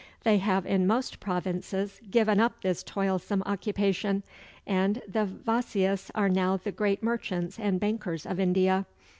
They have in most provinces given up this toilsome occupation, and the Vaisyas are now the great merchants and bankers of India.